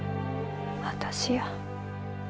私や。